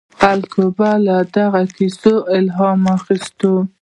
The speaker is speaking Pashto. خلکو به له دغو کیسو الهام اخیست.